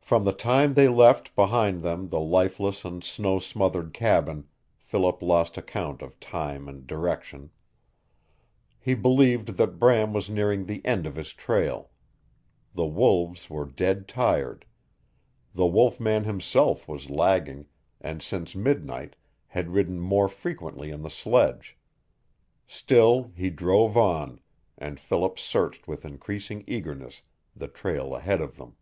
From the time they left behind them the lifeless and snow smothered cabin Philip lost account of time and direction. He believed that Bram was nearing the end of his trail. The wolves were dead tired. The wolf man himself was lagging, and since midnight had ridden more frequently on the sledge. Still he drove on, and Philip searched with increasing eagerness the trail ahead of them.